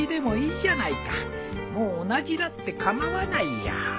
もう同じだって構わないよ